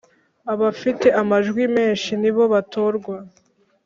abafite amajwi menshi nibo batorwa